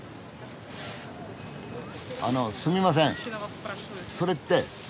あのすみませんそれって。